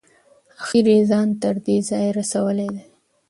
اخیر یې ځان تر دې ځایه رسولی دی.